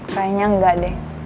kayaknya enggak deh